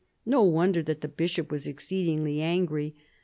No wonder that the Bishop was exceedingly angry.